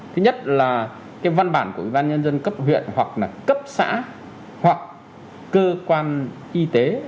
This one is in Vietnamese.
thứ nhất là văn bản của ubnd cấp huyện hoặc là cấp xã hoặc cơ quan y tế